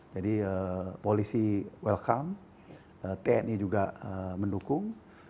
jadi polisi welcome tni juga mendukung